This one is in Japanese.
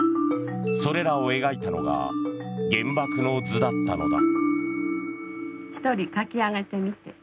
それらを描いたのが「原爆の図」だったのだ。